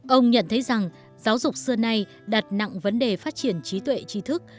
ông nhận thấy rằng giáo dục xưa nay đặt nặng vấn đề phát triển trí tuệ trí thức